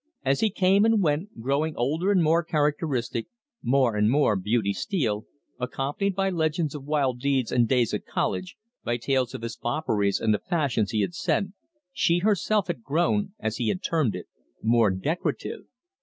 As he came and went, growing older and more characteristic, more and more "Beauty Steele," accompanied by legends of wild deeds and days at college, by tales of his fopperies and the fashions he had set, she herself had grown, as he had termed it, more "decorative."